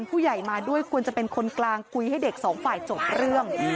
ผู้ใหญ่มาด้วยควรจะเป็นคนกลางคุยให้เด็กสองฝ่ายจบเรื่อง